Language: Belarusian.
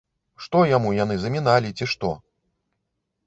Што яму яны заміналі, ці што?